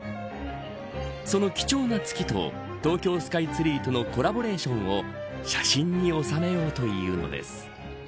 その貴重な月と東京スカイツリーとのコラボレーションを写真に収めようというのです。